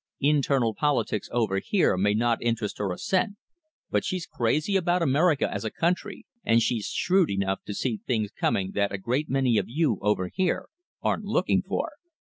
"Internal politics over here may not interest her a cent, but she's crazy about America as a country, and she's shrewd enough to see things coming that a great many of you over here aren't looking for.